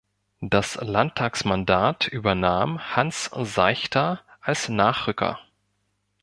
Das Landtagsmandat übernahm Hans Seichter als Nachrücker.